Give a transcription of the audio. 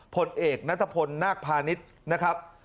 ผลเอกนัทพลนาคพาณิชย์นะครับ